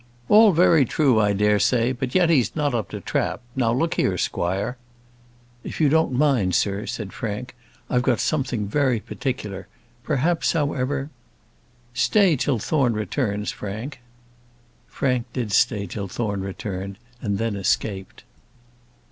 "All very true, I dare say; but yet he's not up to trap. Now look here, squire " "If you don't mind, sir," said Frank, "I've got something very particular perhaps, however " "Stay till Thorne returns, Frank." Frank did stay till Thorne returned, and then escaped.